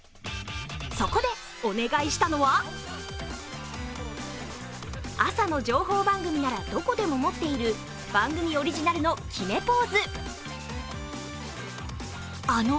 そこでお願いしたのは、朝の情報番組ならどこでも持っている番組オリジナルの決めポーズ。